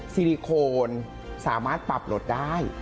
ซิลิโคนสามารถปรับลดได้